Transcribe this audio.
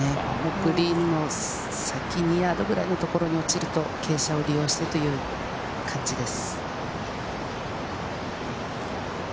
グリーンの先にあるところに落ちると傾斜を利用してという感じです。